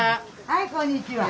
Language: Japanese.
はいこんにちは。